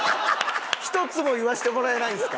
１つも言わせてもらえないんですか？